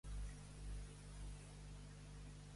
Amb què es relaciona sant Sixt?